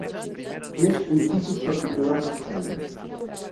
És un tipus particular d'escaire.